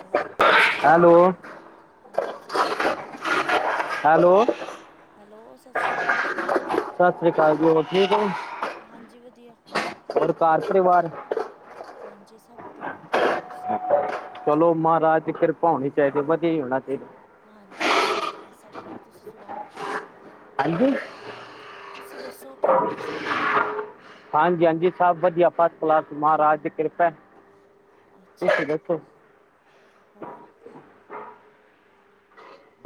Hello, hello hello hello ਸਾਸਰੀ ਕਾਲ ਜੀ ਹੈਲੋ ਹੈਲੋ ਸਾਸਰੀ ਅ ਸਾਸਰੀ ਕਾਲ ਜੀ ਹੋਰ ਠੀਕ ਓ, ਹਾਂਜੀ ਵਧੀਆ ਹੋਰ ਘਰ ਪਰਿਵਾਰ? ਹਾਂਜੀ ਸਭ ਵਧੀਆ ਏ। ਠ ਚਲੋ ਮਾਰਾਜ ਦੀ ਕਿਰਪਾ ਹੋਣੀ ਚਾਈਦੀ ਵਧੀਆ ਈ ਹੋਣਾ ਚਾਈਦਾ। ਹਾਂਜੀ-ਹਾਂਜੀ ਵਧੀਆ ਸਭ ਵਧੀਆ ਤੁਸੀਂ ਸੁਣਾਓ? ਹਾਂਜੀ ਤੁਸੀਂ ਦੱਸੋ ਠੀਕ ਨੇ ਸਭ? ਹਾਂਜੀ-ਹਾਂਜੀ ਸਭ ਵਧੀਆ ਫਸਟ ਕਲਾਸ ਮਾਰਾਜ ਦੀ ਕਿਰਪਾ ਐ। ਅੱਛਾ [unintelligible] ਹੋਰ?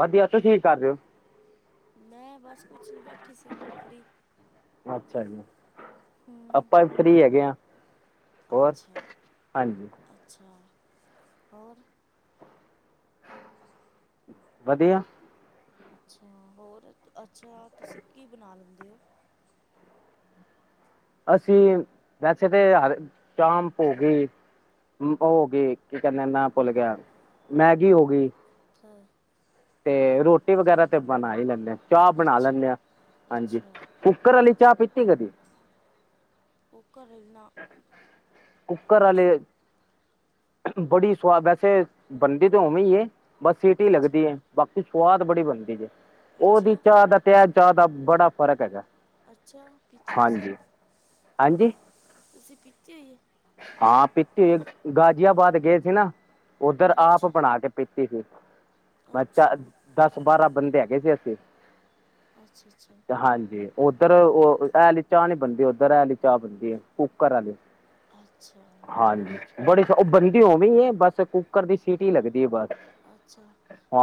ਵਧੀਆ ਤੁਸੀ ਕੀ ਕਰਦੇ ਓ। ਮੈਂ ਬਸ ਕੁਛ ਨੀ ਬੈਠੀ ਸੀ ਫੑੀ। ਅੱਛਾ ਜੀ। ਹੂੰ ਆਪਾਂ ਵੀ ਫੑੀ ਹੈਗੇ ਆ, ਹੋਰ ਅੱਛਾ ਹਾਂਜੀ। ਅੱਛਾ, ਹੋਰ? ਵਧੀਆ। ਅੱਛਾ, ਹੋਰ ਅੱਛਾ ਤੁਸੀਂ ਕੀ ਬਣਾ ਲੈਂਦੇ ਓ? ਅਸੀਂ, ਵੈਸੇ ਤੇ ਹਰੇ ਚਾਮ ਪੋ ਗਈ। ਉਹ ਹੋ ਗਈ ਕੀ ਕਹਿੰਦੇ ਨਾ ਭੁੱਲ ਗਿਆ, ਮੈਗੀ ਹੋ ਗਈ ਹਾਂ। ਤੇ ਰੋਟੀ ਵਗੈਰਾ ਤੇ ਬਣਾ ਈ ਲੈਂਣੇ ਆ। ਚਾਹ ਬਣਾ ਅੱਛਾ ਲੈਂਣੇ ਆ, ਹਾਂਜੀ। ਅੱਛਾ ਕੂਕਰ ਆਲੀ ਚਾ ਪੀਤੀ ਕਦੀ? ਕੁਕਰ ਅ ਨਾ। ਕੂਕਰ ਆਲੇ। ਬੜੀ ਸੁਵਾਦ ਵੈਸੇ, ਬਨਦੀ ਤੇ ਉਵੇਂ ਈ ਏ, ਬਸ ਸੀਟੀ ਅੱਛਾ ਲੱਗਦੀ ਏ। ਬਾਕੀ ਸਵਾਦ ਬੜੀ ਬਣਦੀ ਜੇ। ਉਹਦੀ ਅੱਛਾ ਚਾਹ ਦਾ ਤੇ ਐ ਚਾਹ ਦਾ ਬੜਾ ਫ਼ਰਕ ਹੈਗਾ। ਅੱਛਾ ਪੀਤੀ ਤੁਸੀਂ ਹਾਂਜੀ, ਹਾਂਜੀ? ਤੁਸੀਂ ਪੀਤੀ ਹੋਈ ਏ? ਹਾਂ ਪੀਤੀ, ਗਾਜ਼ੀਆਬਾਦ ਗਏ ਸੀ ਨਾ। ਉਧਰ ਆਪ ਅੱਛਾ ਬਣਾ ਕੇ ਪੀਤੀ ਸੀ। ਬੱਚਾ, ਅੱਛਾ ਦਸ ਬਾਰਾ ਬੰਦੇ ਹੈਗੇ ਸੀ ਅਸੀਂ। ਅੱਛਾ -ਅੱਛਾ। ਹਾਂਜੀ। ਉੱਧਰ ਉਹ ਹੈਲੀ ਚਾਹ ਨਹੀਂ ਬਣਦੀ ਉੱਧਰ ਹੈਲੀ ਚਾਹ ਬਣਦੀ ਹੈ ਕੁੂੱਕਰ ਵਾਲੀ। ਅੱਛਾ। ਠੀਕ ਹਾਂਜੀ ਹੈ। ਬੜੀ ਉਹ ਬਣਦੀ ਉਵੇਂ ਬਸ ਕੁੱਕਰ ਦੀ ਸੀਟ ਹੀ ਲੱਗਦੀ ਹੈ ਬਸ। ਅੱਛਾ।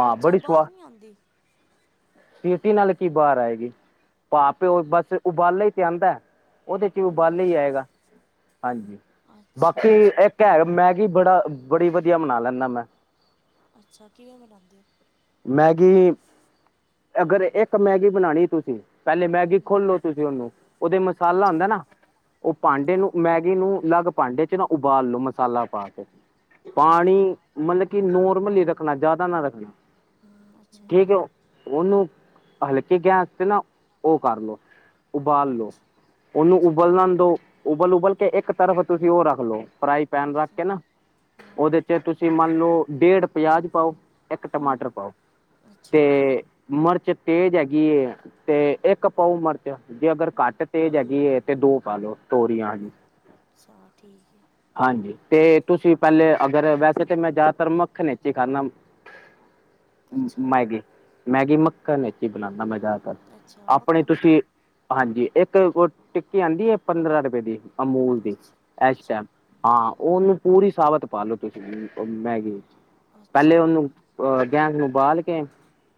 ਫਿਰ ਚਾ ਬੜੀ ਬਾਹਰ ਸਵਾਦ ਨਹੀਂ ਆਉਂਦੀ। ਸੀਟੀ ਨਾਲ ਕੀ ਬਾਹਰ ਆਏਗੀ। ਭਾਪਿਓ ਬਸ ਉਬਾਲੇ ਹੀ ਤੇ ਆਉਂਦਾ। ਉਹਦੇ ਚ ਵੀ ਉਬਾਲੇ ਹੀ ਮਾਸ ਆਏਗਾ। ਹਾਂਜੀ। ਅੱਛਾ ਬਾਕੀ, ਅੱਛਾ ਇੱਕ ਹੈ ਮੈਗੀ ਬੜਾ, ਬੜੀ ਵਧੀਆ ਬਨਾ ਲੈਂਦਾ ਮੈਂ। ਅੱਛਾ। ਕਿਵੇਂ ਬਣਾਉਂਦੇ ਓ? ਮੈਗੀ ਅਗਰ ਇੱਕ ਮੈਗੀ ਬਣਾਉਣੀ ਤੁਸੀਂ ਪਹਿਲੇ ਮੈਗੀ ਹਮ, ਖੋਲੋ, ਤੁਸੀਂ ਉਹਨੂੰ ਉਹਦੇ ਮਸਾਲਾ ਅੱਛਾ ਹੁੰਦਾ ਨਾ, ਉਹ ਭਾਂਡੇ ਹਾਂ ਨੂੰ ਮੈ ਇ ਨੂੰ ਅਲੱਗ ਭਾਂਡੇ ਚ' ਨਾ ਉਬਾਲ ਲੋ। ਮਸਾਲਾ ਪਾ ਕੇ, ਅੱਛਾ ਪਾਣੀ ਮਤਲਬ ਕਿ ਨੋਰਮਲ ਹੀ ਰੱਖਣਾ ਜ਼ਿਆਦਾ ਨਾ ਰੱਖਣਾ। ਹੂ ਠੀਕ ਹੋ। ਉਹਨੂੰ ਹਲਕੇ ਗੈਸ ਤੇ ਨਾ ਉਹ ਕਰ ਲੋ, ਉਬਾਲ ਲੋ। ਉਹਨੂੰ ਅੱਛਾ ਉਬਲ ਨਾ ਦੋ। ਉਬਲ-ਉਬਲ ਕੇ ਇੱਕ ਤਰਫ ਤੁਸੀਂ ਉਹ ਰੱਖ ਲੋ‌ ਫਈ ਪੈਨ ਰੱਖ ਅੱਛਾ ਕੇ ਨਾ। ਹਾਂ ਉਹਦੇ ਚ- ਤੁਸੀਂ ਮੰਨ ਲਓ ਡੇਢ ਪਿਆਜ਼ ਪਾਓ, ਇੱਕ ਹਮ, ਟਮਾਟਰ ਤੇ ਅੱਛਾ ਮਿਰਚ ਤੇਜ਼ ਹੈਗੀ ਤੇ ਇੱਕ ਪਾਊ ਮਿਰਚ। ਜੇ ਅਗਰ ਹਮ, ਘੱਟ ਤੇਜ਼ ਹੈਗੀ ਹੈ ਤੇ ਦੋ ਪਾਲੋ ਤੋਰੀਆਂ ਜ। ਚਲ ਠੀਕ ਐ। ਹਾਂਜੀ। ਤੇ ਤੁਸੀਂ ਪਹਿਲੇ ਅਗਰ ਵੈਸੇ ਤਾਂ ਮੈਂ ਜ਼ਿਆਦਾਤਰ ਮੱਖਣ ਵਿਚ ਹੀ ਖਾਣਾਂ। ਅੱਛਾ ਮੈਗੀ, ਮੈਗੀ ਮੱਕਣ ਹੀ ਬਣਾਉਦਾ ਮੈਂ ਜ਼ਿਆਦਾਤਰ। ਅੱਛਾ ਆਪਣੇ ਮੱਖਣ ਤੁਸੀਂ ਹਾਂਜੀ। ਇੱਕ ਟਿੱਕੀ ਆਉਂਦੀ ਹੈ, ਪੰਦਰਾਂ ਰੁਪਏ ਦੀ ਅਮੂਲ ਦੀ, ਅੱਛਾ ਇਸ ਅੱਛਾ ਟਾਈਮ। ਹਾਂ। ਉਹਨੂੰ ਪੂਰੀ ਸਾਬਤ ਪਾ ਲੋ ਤੁਸੀਂ ਮੈਗੀਵਿਚ। ਪਹਿਲੇ ਅੱਛਾ ਉਹਨੂੰ ਅਹ ਗੈਂਸ ਨੂੰ ਬਾਲ ਕੇ,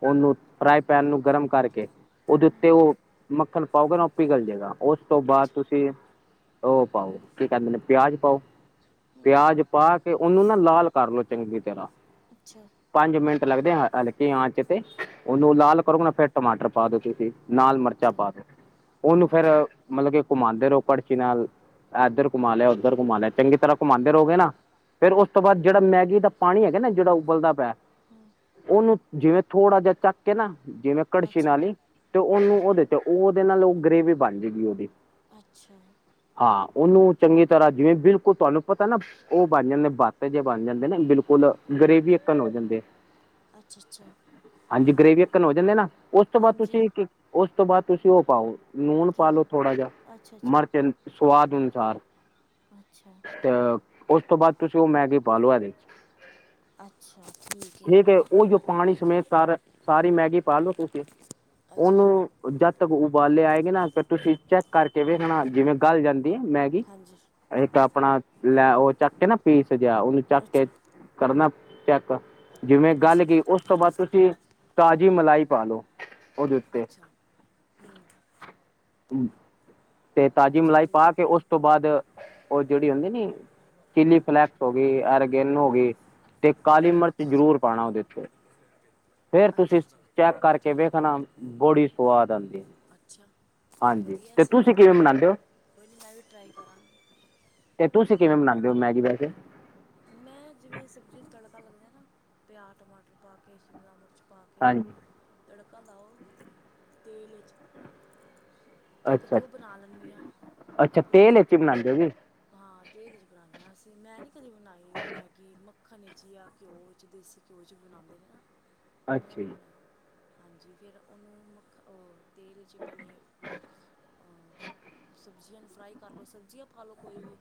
ਉਹਨੂੰ ਫਰਾਈ ਪੈਨ ਨੂੰ ਗਰਮ ਕਰਕੇ ਉਹਦੇ ਹਮ, ਉੱਤੇ ਉਹ ਮੱਖਣ ਪਾਓਗੇ, ਨਾ ਉਹ ਪਿਘਲ ਜਾਏਗਾ। ਉਸ ਤੋਂ ਬਾਅਦ ਅੱਛਾ ਤੁਸੀਂ ਉਹ ਪਾਓ। ਕੀ ਕਰਦੇੈਨ ਪਿਆਜ ਪਾਓ। ਹਮ, ਪਿਆਜ ਪਾ ਕੇ ਉਹਨੂੰ ਨਾ ਲਾਲ ਕਰਲੋ ਚੰਗੀ ਤਰ੍ਹਾਂ। ਅੱਛਾ। ਪੰਜ ਮਿੰਟ ਲੱਗਦੇ ਹਲਕੇ ਆਂਚ ਤੇ ਉਹਨੂੰ ਲਾਲ ਕਰੋ ਨਾ, ਫੇਰ ਟਮਾਟਰ ਪਾ ਦੋ ਤੁਸੀਂ। ਨਾਲ ਮਿਰਚਾਂ ਅੱਛਾ ਪਾ ਦਿਓ। ਉਹਨੂੰ ਫੇਰ ਅੱਛਾ ਮਤਲਬ ਕਿ ਘੁਮਾਉਂ ਰਹੋ ਕੜਛੀ ਨਾਲ ਇਧਰ ਘੁਮਾ, ਲਿਆ ਉੱਧਰ ਘੁਮਾ ਲਿਆ ਚੰਗੀ ਤਰ੍ਹਾਂ ਘੁਮਾਉਦੇ ਰਹੋਗੇ ਨਾ। ਫੇਰ ਉਸ ਤੋਂ ਬਾਅਦ ਜਿਹੜਾ ਮੈਗੀ ਦਾ ਪਾਣੀ ਹੈਗਾ ਨਾ, ਜਿਹੜਾ ਉਬਲਦਾ ਪਿਆ। ਹੂੰ ਉਹਨੂੰ ਜਿਵੇਂ ਥੋੜ੍ਹਾ ਜਿਹਾ ਚੱਕ ਕੇ ਨਾ। ਜਿਵੇਂ ਕੜਛੀ ਅੱਛਾ ਨਾਲੀ ਈ, ਤੇ ਉਹਨੂੰ ਹਾਂਜੀ ਉਹਦੇ ਤੇ ਉਹ ਉਹਦੇ ਨਾਲ ਉਹ ਗਰੇਵੀ ਬਣ ਜਾਏਗੀ ਉਹਦੀ। ਅੱਛਾ। ਹਾਂ। ਉਹਨੂੰ ਚੰਗੀ ਤਰ੍ਹਾਂ ਜਿਵੇਂ ਬਿਲਕੁਲ ਤੁਹਾਨੂੰ ਪਤਾ ਨਾ। ਉਹ ਬਣ ਜਾਂਦੇ, ਬੱਤ ਜੇ ਬਣ ਜਾਂਦੇ ਨ ਬਿਲਕੁਲ, ਗਰੇਵੀ ਇਕਵਲ ਹੋ ਜਾਂਦੀ ਏ। ਅੱਛਾ- ਅੱਛਾ। ਹਾਂਜੀ। ਗ੍ਰੇਵੀ ਇਕਵਲ ਹੋ ਜਾਂਦੀ ਨਾ। ਉਸ ਤੋਂ ਬਾਅਦ ਹਾਂਜੀ ਤੁਸੀਂ ਇਕ, ਉਸ ਤੋਂ ਬਾਅਦ ਤੁਸੀਂ ਉਹ ਪਾਓ। ਲੂਣ ਕੀ ਪਾਲੋ ਥੋੜਾ ਜਿਆ, ਅੱਛਾ ਅੱਛਾ ਮਿਰਚ ਸਵਾਦ ਅਨੁਸਾਰ। ਅੱਛਾ। ਅ ਉਸ ਤੋਂ ਬਾਅਦ ਤੁਸੀਂ ਉਹ ਮੈਗੀ ਪਾ ਲੋ ਇਹਦੇ ਅੱਛਾ। ਠੀਕ ਹੈ। ਪਾਣੀ ਸਮੇਤ ਹਾਂਜੀ ਤ ਸਾਰੀ ਮੈਗੀ ਪਾ ਲਓ ਤੁਸੀਂ। ਅੱਛਾ ਉਹਨੂੰ ਜਦ ਤੱਕ ਉਬਾਲੇ ਆਏ ਗ ਨਾ ਫ ਤੁਸੀਂ ਚੈੱਕ ਕਰਕੇ ਵੇਖਣਾ, ਜਿਵੇਂ ਗੱਲ ਜਾਂਦੀ ਹੈ ਮੈਗੀ। ਹਾਂਜੀ। ਇੱਕ ਆਪਣਾ ਲੈ ਉਹ ਚੱਕ ਕੇ ਨਾ ਪੀਸ ਜਿਹਾ, ਉਹਨੂੰ ਚੱਕ ਕੇ ਅੱਛਾ ਕਰਨਾ ਚੈੱਕ ਜਿਵੇਂ ਗੱਲ ਹਾਂਜੀ ਕੀ ਉਸ ਤੋਂ ਬਾਅਦ ਤੁਸੀਂ ਤਾਜ਼ੀ ਮਲਾਈ ਪਾ ਲਓ। ਉਦੇ ਉਤੇ। ਅੱਛਾ ਹੂੰ ਤੇ ਤਾਜ਼ੀ ਅੱਛਾ ਮਲਾਈ ਠੀਕ ਪਾ ਹੈ ਕੇ ਉਸ ਤੋਂ ਬਾਅਦ ਉਹ ਜਿਹੜੀ ਹੁੰਦੀ ਨੀ ਚਿੱਲੀ ਫਲੈਕਸ ਹੋ ਗਈ ਐਰਗੇਨ ਹੋ ਗਈ ਤੇ ਕਾਲੀ ਮਿਰਚ [unintelligible] ਫਿਰ ਤੁਸੀਂ, ਚੈੱਕ ਅੱਛਾ ਕਰਕੇ ਠੀਕ ਹੈ ਵੇਖਣਾ ਬੜੀ ਸਵਾਦ ਆਉਂਦੀ। ਅੱਛਾ ਹਾਂਜੀ ਵਧੀਆ। ਤੇ ਸਗੋਂ ਤੁਸੀਂ ਕਿਵੇਂ ਬਨਾਉਂਦੇ ਓ ਕੋਈ ਨਹੀਂ ਮੈਂ ਵੀ ਟਰਾਈ ਕਰਾਂਗੀ ਤੇ ਤੁਸੀਂ ਕਿਵੇਂ ਬਨਾਉਂਦੇ ਓ, ਮੈਗੀ ਵੈਸੇ ਮੈਂ ਜਿਵੇਂ- ਸਬਜ਼ੀ ਨੂੰ ਤੜਕਾ ਲੱਗਾ ਲਿਆ ਨਾ। ਪਿਆਜ਼, ਟਮਾਟਰ ਪਾ ਕੇ ਸ਼ਿਮਲਾ ਮਿਰਚ ਪਾ ਕੇ ਹਾਂਜੀ ਤੜਕਾ ਲਾਓ ਤੇਲ 'ਚ ਇੱਕ ਅੱਛਾ ਤਾਂ ਉਹ ਬਣਾ ਲੈਂਦੀ ਆ। ਅੱਛਾ ਤੇਲ ਦੂਜੀ ਵਿੱਚ ਹੀ ਬਣਾਉਂਦੇ ਹੋ ਜੀ ਹਾਂ ਤੇਲ ਚ ਬਣਾਉਂਦੀ ਅਸੀਂ। ਮੈਂ ਨਹੀਂ ਕਦੇ ਬਣਾਈ ਮੈਗੀ ਮੱਖਣ ਵਿੱਚ ਜਾਂ ਘਿਓ ਵਿੱਚ ਦੇਸੀ ਘਿਓ ਵਿਚ ਬਣਾਉਦੇ ਨੇ ਨਾ। [inaudible] ਮੈਂ ਨਹੀਂ ਬਣਾਈ ਹਾਂਜੀ ਫਿਰ ਉਹਨੂੰ ਮੱਖ ਉਹ ਤੇਲ 'ਚ ਪਹਿਲੇ ਹਾਂ ਸਬਜ਼ੀਆਂ ਨੂੰ ਫਰਾਈ ਕਰ ਲਓ ਸਬਜ਼ੀਆਂ ਪਾ ਲਓ ਕੋਈ ਵੀ।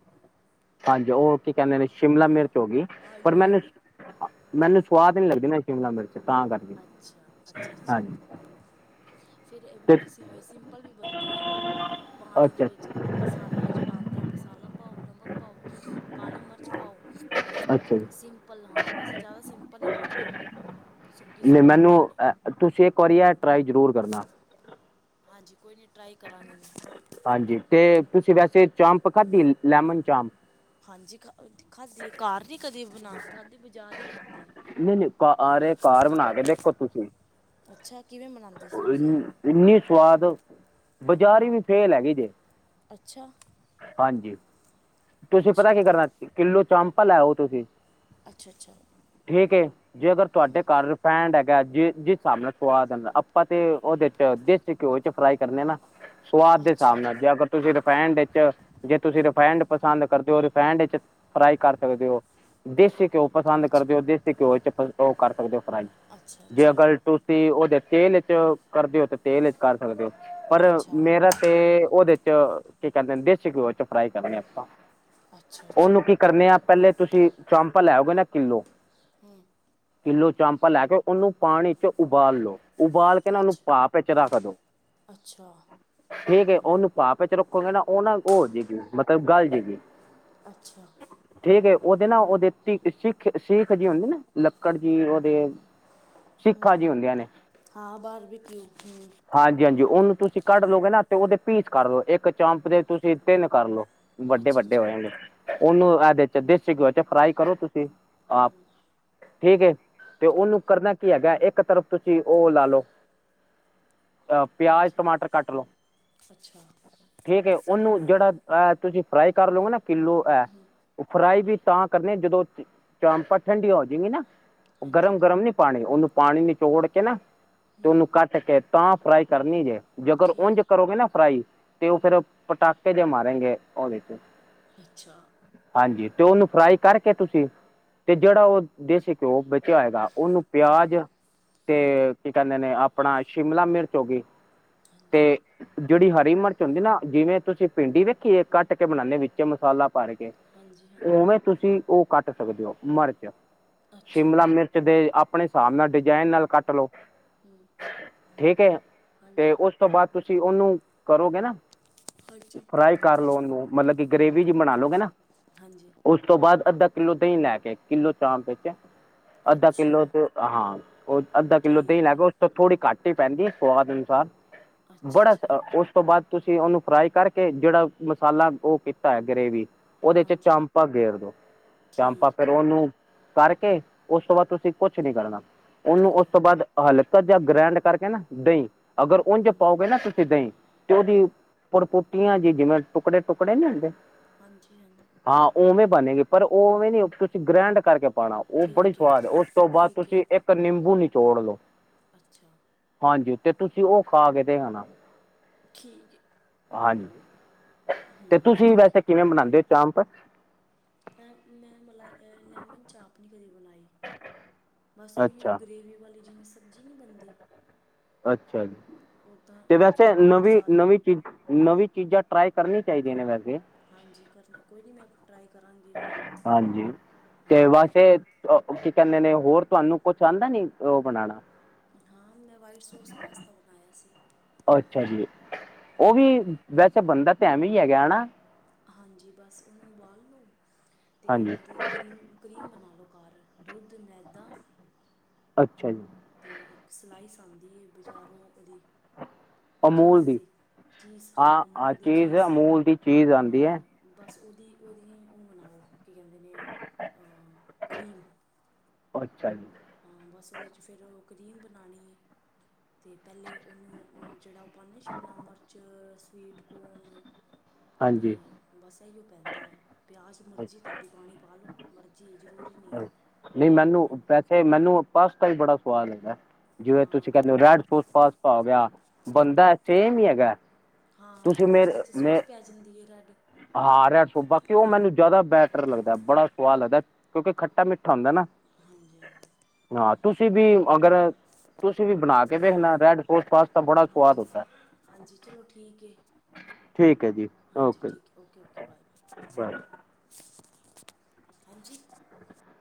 ਅੱਜ ਉਹ ਕੀ ਕਹਿੰਦੇ ਨੇ ਸ਼ਿਮਲਾ ਹਾਂ ਮਿਰਚ ਹੋ ਗਈ ਪਰ ਹਾਂਜੀ ਮੈਨੂੰ ਹਾਂਜੀ ਮੈਨੂੰ ਸਵਾਦ ਨੀ ਲੱਗਦੀ ਨਾ ਸ਼ਿਮਲਾ ਮਿਰਚ ਤਾਂ ਕਰਕੇ ਅੱਛਾ ਅੱਛਾ ਅੱਛਾ। ਹਾਂਜੀ ਫਿਰ ਤੇ ਏ ਸਿੰਪਲ ਵੀ ਬਣਦੀ ਪਾਣੀ ਦੇ ਅੱਛਾ ਵਿੱਚ ਮਸਾਲਾ ਜਿਹੜਾ ਆਉਂਦਾ ਮਸਾਲਾ ਪਾਓ, ਨਮਕ ਪਾਓ, ਕਾਲੀ ਮਿਰਚ ਪਾਓ ਅੱਛਾ ਜੀ ਸਿੰਪਲ ਹਾਂ ਵੈਸੇ ਜ਼ਿਆਦਾ ਸਿੰਪਲ ਹੀ ਖਾਂਦੇ ਆ। ਨੀ ਮੈਨੂੰ ਅ ਤੁਸੀਂ ਇੱਕ ਵਾਰੀ ਏ ਟਰਾਈ ਜ਼ਰੂਰ ਕਰਨਾ। ਹਾਂਜੀ ਕੋਈ ਨਹੀਂ ਟਰਾਈ ਕਰਾਂਗੇ। ਹਾਂਜੀ ਤੇ ਤੁਸੀਂ ਵੈਸੇ ਚਾਂਪ ਖਾਦੀ, ਲੈਮਨ ਚਾਂਪ ਹਾਂਜੀ ਖਾਦੀ ਏ ਘਰ ਨ ਕਦੇ ਬਣਾ ਕੇ ਖਾਦੀ ਬਜ਼ਾਰ ਹੀ ਖਾਦੀ। ਨਹੀਂ- ਨਹੀਂ ਕਾਰ-ਘਾਰ ਬਣਾ ਕੇ ਦੇਖੋ ਤੁਸੀਂ। ਅੱਛਾ ਕਿਵੇਂ ਬਨਾਉਂਦੇ ਸੀ ਤੁਸੀਂ ਇੰਨੀ ਸਵਾਦ, ਬਜਾਰੀ ਵੀ ਫੇਲ ਹੈਗੀ ਜੇ। ਅੱਛਾ। ਹਾਂਜੀ ਤੁਸੀਂ ਪਤਾ ਅੱਛਾ ਕੀ ਕਰਨਾ ਕਿਲੋ ਚਾਪਾ ਲਿਓ ਤੁਸੀਂ ਅੱਛਾ -ਅੱਛਾ। ਠੀਕ ਏ ਜੇ ਅਗਰ ਤੁਹਾਡੇ ਘਰ ਰਿਫੈਂਡ ਹੈਗਾ ਜਿਸ ਹਿਸਾਬ ਨਾਲ ਸੁਵਾਦ ਦਾ ਆਪਾਂ ਤੇ ਉਹਦੇ ਚ ਘਿਓ ਚ ਫਰਾਈ ਕਰਨੇ ਨਾ ਸਵਾਦ ਦੇ ਹਿਸਾਬ ਅੱਛਾ ਨਾਲ ਜੇ ਅਗਰ ਤੁਸੀਂ ਰਿਫਾਇਡ ਜੇ ਤੁਸੀਂ ਰਿਫਾਇੰਡ ਪਸੰਦ ਕਰਦੇ ਹੋ ਰਿਫਾਇਡ ਚ ਫਰਾਈ ਕਰ ਸਕਦੇ ਹੋ ਦੇਸੀ ਘਿਓ ਅੱਛਾ ਪਸੰਦ ਅੱਛਾ ਕਰਦੇ ਹੋ ਦੇਸੀ ਘਿਓ ਚ ਉਹ ਕਰ ਸਕਦੇ ਹੋ ਫਰਾਈ ਜੇ ਅੱਛਾ ਅਗਰ ਤੁਸੀਂ ਉਹਦੇ ਤੇਲ ਚ ਕਰਦੇ ਹੋ ਤਾਂ ਤੇਲ ਚ ਕਰ ਸਕਦੇ ਹੋ ਪਰ ਅੱਛਾ ਅੱਛਾ ਮੇਰਾ ਤੇ ਉਹਦੇ ਚ ਕੀ ਕਰਦੇ ਦੇਸੀ ਘਿਓ ਚ ਫਰਾਈ ਕਰਨੇ ਆਪਾਂ ਅੱਛਾ ਉਹਨੂੰ ਅੱਛਾ ਕੀ ਕਰਨੇ ਆ ਠੀਕ ਪਹਿਲੇ ਤੁਸੀਂ ਚੰਪਾ ਲੈਓਗੇ ਨਾ ਕਿੱਲੋ ਹੂ ਕਿਲੋ ਚੰਪਾ ਲੈ ਕੇ ਉਹਨੂੰ ਪਾਣੀ ਚ ਉਬਾਲ ਲੋ ਉਬਾਲ ਕੇ ਨਾ ਉਹਨੂੰ ਅੱਛਾ ਪਾਪ ਵਿੱਚ ਰੱਖ ਦੋ। ਅੱਛਾ। ਠੀਕ ਏ ਉਹਨੂੰ ਭਾਵ ਚ ਰੱਖੋਗੇ ਨਾ ਉਹ ਨਾ ਉਹ ਜਏਗੀ ਮਤਲਬ ਗੱਲ ਜਾਏਗੀ। ਅੱਛਾ। ਠੀਕ ਏ ਉਹਦੇ ਨਾ ਉਹਦੇ ਸਿੱਖ- ਸਿੱਖ ਜੀ ਹੁੰਦੇ ਨਾ ਲੱਕੜ ਜੀ ਉਹਦੇ [inaudible] ਹੂ, ਹੁੰਦੀਆਂ ਨੇ ਹਾਂ ਬਾਰਬੀ ਕਿਊ ਹੂ। ਹਾਂਜੀ ਹਾਂਜੀ। ਉਹਨੂੰ ਤੁਸੀਂ ਕੱਢ ਲਓਗੇ ਨਾ ਤੇ ਉਹਦੇ ਪੀਸ ਕਰ ਲੋ ਇੱਕ ਚਾਂਪ ਦੇ ਤੁਸੀਂ ਤਿੰਨ ਕਰਲੋ। ਵੱਡੇ ਅੱਛਾ ਵੱਡੇ ਅੱਛਾ ਹੋ ਜਾਗੇ। ਅੱਛਾ ਉਹਨੂੰ ਅੱਛਾ ਇਹਦੇ ਦੇਸੀ ਘਿਓ ਚ ਫਰਾਈ ਕਰੋ ਤੁਸੀਂ ਆਪ। ਹੂੰ ਠੀਕ ਏ ਤੇ ਠੀਕ ਉਹਨੂੰ ਹੈ ਕਰਨਾ ਕੀ ਹੈਗਾ। ਇੱਕ ਤਰਫ ਤੁਸੀ ਉਹ ਲਾ ਲੋ। ਅ ਪਿਆਜ ਅੱਛਾ ਟਮਾਟਰ ਕੱਟ ਲਓ। ਅੱਛਾ। ਠੀਕ ਹੈ। ਉਹਨੂੰ ਜਿਹੜਾ ਤੁਸੀਂ ਫਰਾਈ ਕਰ ਲਓਗੇ ਨਾ ਕਿੱਲੋ ਹੈ। ਉਹ ਫਰਾਈ ਵੀ ਤਾਂ ਕਰਨੇ ਜਦੋਂ ਚਾਮਪਾਂ ਠੰਡੀਆਂ ਹੋ ਜਾਗੀ ਨਾ ਉਹ ਹਾਂਜੀ ਗਰਮ ਗਰਮ ਨੀ। ਪਾਣੀ ਉਹਨੂੰ ਪਾਣੀ ਨਿਚੋੜ ਕੇ ਨਾ ਤੇ ਉਹਨੂੰ ਕੱਟ ਕੇ ਤਾਂ ਫਰਾਈ ਕਰਨੀ ਜੇ। ਜੇਕਰ ਉਝ ਠੀਕ ਕਰੋਗੇ ਨਾ ਫਰਾਈ ਤੇ ਉਹ ਫਿਰ ਪਟਾਕੇ ਜੇ ਮਾਰਗੇ ਉਹਦੇ। ਅੱਛਾ। ਹਾਂਜੀ ਤੇ ਉਹਨੂੰ ਫਰਾਈ ਕਰਕੇ ਤੁਸੀ ਤੇ ਜਿਹੜਾ ਉਹ ਦੇਸੀ ਘਿਓ ਬੱਚਿਆ ਹੋਏਗਾ ਉਹਨੂੰ ਪਿਆਜ। ਤੇ ਕੀ ਕਹਿੰਦੇ ਨੇ ਆਪਣਾ ਸ਼ਿਮਲਾ ਮਿਰਚ ਹੋ ਗਈ। ਹਾਂਜੀ ਤੇ ਜਿਹੜੀ ਹਰੀ ਮਿਰਚ ਹੁੰਦੀ ਨਾ ਜਿਵੇਂ ਤੁਸੀਂ ਭਿੰਡੀ ਦੇੇਖੀਏ ਕੱਟ ਕੇ ਬਣਾਉਦੇ ਵਿੱਚ ਮਸਾਲਾ ਪਾਰ ਕੇ ਹਾਂਜੀ ਹਾਂਜੀ ਉਵੇਂ। ਤੁਸੀਂ ਉਹ ਕੱਟ ਸਕਦੇ ਹੋ ਮਿਰਚ ਅੱਛਾ ਸ਼ਿਮਲਾ ਮਿਰਚ। ਦੇ ਆਪਣੇ ਹਿਸਾਬ ਨਾਲ ਡਿਜ਼ਾਇਨ ਨਾਲ ਕੱਟ ਲਓ। ਹੂੰ ਠੀਕ ਹੈ ਤੇ ਹਾਂਜੀ ਉਸ ਤੋਂ ਬਾਅਦ ਤੁਸੀਂ ਉਹਨੂੰ ਕਰੋਗੇ ਨਾ। ਹ। ਹਾਂਜੀ ਫਰਾਈ ਕਰ ਲੋ ਉਹਨੂੰ ਮਤਲਬ ਕਿ ਹੂੰ ਗ੍ਰੇਵੀ ਜੀ ਬਣਾ ਲਓਗੇ ਨਾ ਹਾਂਜੀ ਉਸ ਤੋਂ ਬਾਅਦ ਅੱਧਾ। ਕਿੱਲੋ ਦਹੀਂ ਲੈ ਕੇ ਕਿੱਲੋ ਚਾਂਪ ਵਿੱਚੇ ਅੱਧਾ ਅੱਛਾ ਕਿੱਲੋ ਤੇ ਹਾਂ ਉਹ ਅੱਧਾ ਕਿੱਲੋ ਤੇ ਹੀ ਲੈ ਠੀਕ ਹੈ ਗ। ਥੋੜ੍ਹੀ ਘੱਟ ਹੀ ਪੈਂਦੀ ਸਵਾਦ ਅਨੁਸਾਰ ਅੱਛਾ ਬੜਾ ਅੱਛਾ ਉਸ ਤੋਂ ਬਾਅਦ। ਤੁਸੀਂ ਉਹਨੂੰ ਫਰਾਈ ਕਰਕੇ ਜਿਹੜਾ ਮਸਾਲਾ ਉਹ ਕੀਤਾ ਹੈ ਗ੍ਰੇਵੀ। ਉਹਦੇ ਚ ਹਾਂਜੀ ਚਾਪਾਂ ਗੇਰ ਦੋ ਚਾਪਾਂ ਠੀਕ ਫਿਰ ਹੈ ਉਹਨੂੰ ਕਰਕੇ ਉਸ ਤੋਂ ਬਾਅਦ ਤੁਸੀਂ ਕੁਛ ਨੀ ਕਰਨਾ ਉਹਨੂੰ ਠੀਕ ਉਸ ਹੈ ਤੋਂ ਬਾਅਦ। ਹਲਕਾ ਜਹਾ ਗ੍ਰੈਂਡ ਕਰਕੇ ਨਾ ਦਹੀਂ ਅਗਰ ਉਝ ਹੂੰ ਪਾਓਗੇ ਨਾ ਤੁਸੀਂ ਦਹੀਂ। ਤੇ ਉਹਦੀ ਪੜਕੋਟੀਆਂ ਜੀ ਜਿਵੇਂ ਟੁਕੜੇ ਟੁਕੜੇ ਨੀ ਹੁੰਦੇ। ਹਾਂਜੀ ਹਾਂਜੀ। ਹਾਂ ਉਵੇਂ ਬਣੇਗੀ ਪਰ ਉਵੇਂ ਨੀ ਤੁਸੀਂ ਗ੍ਰੈਂਡ ਕਰਕੇ ਪਾਉਣਾ। ਉਹ ਬੜੀ ਠੀਕ ਹੈ ਸਵਾਦ ਉਸ ਤੋਂ ਬਾਅਦ ਠੀਕ ਹੈ ਤੁਸੀਂ ਇੱਕ ਨਿੰਬੂ ਨਿਚੋੜ ਲਓ। ਅੱਛਾ ਹਾਂਜੀ ਤੇ ਤੁਸੀਂ ਉਹ ਖਾ ਕੇ ਦੇਖਣਾ। ਠੀਕ ਹੈ। ਹਾਂਜੀ ਤੇ ਹੂੰ ਤੁਸੀਂ ਠੀਕ ਵੈਸੇ ਹੈ ਕਿਵੇਂ ਬਣਾਉਂਦੇ ਹੋ ਚਾਮਪ। ਅ ਮੈਂ ਮਲਾਈ ਲੈਮਨ ਚਾਪ ਨਹੀਂ ਕਦੀ ਬਣਾਈ। ਬਸ ਉਈ ਅੱਛਾ ਗਰੇੇਵੀ ਵਾਲੀ ਜਿਵੇਂ ਸਬਜ਼ੀ ਨਹੀਂ ਬਣਦੀ। ਅੱਛਾ ਜੀ। ਉੱਦਾਂ ਤੇ ਉਹ ਵੈਸੇ ਨਵੀਂ ਮਸਾਲੇ ਨਵੀਂ ਚੀਜ਼ ਨਵੀਂ ਚੀਜ਼ਾਂ ਟਰਾਈ ਕਰਨੀ ਚਾਹੀਦੀਆਂ ਨੇ ਵੈਸੇ। ਹਾਂਜੀ ਕਰਨ ਕੋਈ ਨਹੀਂ ਮੈਂ ਟਰਾਈ ਕਰਾਂਗੀ ਹੁਣ। ਹਾਂਜੀ ਤੇ ਹਾਂਜੀ ਵੈਸੇ ਕਰਾਂਗੀ ਕੀ ਕਹਿੰਦੇ ਨੇ ਹੋਰ ਤੁਹਾਨੂੰ ਕੁਛ ਆਉਂਦਾ ਨੀ ਉਹ ਬਣਾਉਣਾ। ਹਾਂ ਮੈਂ ਵਾਈਟ ਸੌਸ ਪਾਸਤਾ ਬਣਾਇਆ ਸੀ। ਅੱਛਾ ਜੀ ਉਹ ਵੀ ਵੈਸੇ ਬਣਦਾ ਤਾਂ ਐਵੇਂ ਹੀ ਹੈਗਾ ਨਾ। ਹਾਂਜੀ ਬਸ ਉਹਨੂੰ ਉਬਾਲ ਨੂੰ ਅਤੇ ਹਾਂਜੀ ਉਹਦੀ। ਕਰੀਮ ਕਰੀਮ ਬਣਾ ਲਉ ਘਰ ਦੁੱਧ ਮੈਦਾ। ਅੱਛਾ ਜੀ। ਤੇ ਸਲਾਈਸ ਆਂਦੀ ਏ ਬਜ਼ਾਰੋਂ ਉਹਦੀ। ਚੀਜ਼ ਦੀ ਚੀਜ਼ ਹਾਂ ਅਮੂਲ ਦੀ ਚੀਜ਼ ਅਮੂਲ ਦੀ ਚੀਜ਼ ਆਉਂਦੀ ਹੈ ਹਾਂ। ਬਸ ਉਹਦੀ ਉਹਦੀ ਹੁਣ ਬਨਾਓ ਕੀ ਕਹਿੰਦੇ ਨੇ ਕਰੀਮ। ਅੱਛਾ ਜੀ। ਹਾਂ ਬਸ ਉਹਦੇ 'ਚ ਫਿਰ ਕ ਕਰੀਮ ਬਣਾਉਣੀ ਅਤੇ ਪਹਿਲੇ ਉਹਨੂੰ ਜਿਹੜਾ ਉਹ ਪਾਉਂਦੇ ਸ਼ਿਮਲਾ ਮਿਰਚ ਸਵੀਟ ਕੋਨ ਤੇ ਹਾਂਜੀ ਬਸ ਇਹੀਓ ਪੈਂਦਾ ਹੈ ਪਿਆਜ਼ ਮਰਜ਼ੀ ਤੁਹਾਡੀ ਪਾਣੀ ਪਾ ਲਓ ਮਰਜ਼ੀ ਜ਼ਰੂਰ ਨਹੀਂ ਮੈਨੂੰ ਵੈਸੇ ਪਾਸਤਾ ਬੜਾ ਸਵਾਦ ਲੱਗਦਾ ਹੈ। ਜਿਵੇਂ ਹਾਂ ਤੁਸੀਂ ਕਹਿੰਦੇ ਹੋ ਰੈਡ ਸੋਸ ਪਾਸਤਾਂ ਹੋ ਗਿਆ ਹੂੰ ਬੰਣਦਾ ਸੇਮ ਹੀ ਹੈਗਾ ਹਾਂ ਤੁਸੀਂ ਪਰ ਉਹਦੇ ਮੇਰੇ ਚ ਮੇ ਸੋਸ ਪੈ ਜਾਂਦੀ ਹੈ ਰੈੱਡ। ਹਾਂ ਰ ਸ ਬਾਕ ਉਹ ਮੈਨੂੰ ਜ਼ਿਆਦਾ ਬੈਟਰ ਲੱਗਦਾ ਬੜਾ ਸਵਾਦ ਲੱਗਦਾ ਕਿਉਂਕਿ ਖੱਟਾ ਮਿੱਠਾ ਹੁੰਦਾ ਨਾ। ਹਾਂਜੀ, ਹਾਂਜੀ। ਹਾਂ ਤੁਸੀਂ ਵੀ ਅਗਰ- -ਤੁਸੀਂ ਵੀ ਬਣਾ ਕੇ ਦੇੇਖਣਾ ਰੈਡ ਸੋਸ ਪਾਸਤਾ ਬੜਾ ਸਵਾਦ ਹਾਂਜੀ, ਹੁੰਦਾ। ਹਾਂਜੀ ਚਲੋ ਠੀਕ ਹੈ। ਠੀਕ ਹੈ ਜੀ ਹਾਂਜੀ ਓਕੇ ਠੀਕ ਜੀ ਓਕੇ, ਓਕੇ ਬਾਏ, ਬਾਏ। ਹਾਂਜੀ।